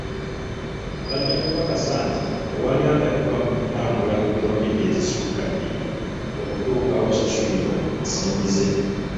Bajja kukakasa nti tewali aganyulwa mu kutambula kiromita ezisukka ebiri okutuuka w'asasulirwa ensimbi ze.